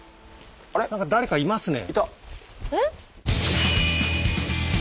何か誰かいますね。